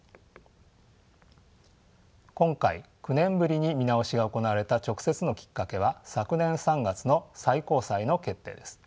今回９年ぶりに見直しが行われた直接のきっかけは昨年３月の最高裁の決定です。